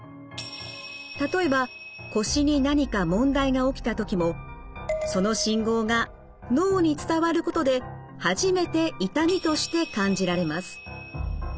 例えば腰に何か問題が起きた時もその信号が脳に伝わることで初めて痛みとして感じられます。